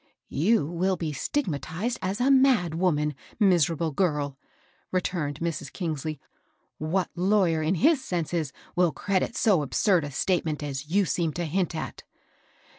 *^You will be stigmatized as a mad woman, miserable girl 1 " returned Mrs. Kingsley. " What lay^er in his senses will credit so absurd a statement as you seem to hint at?"